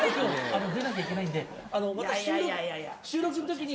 あの出なきゃいけないんでまた収録の時に。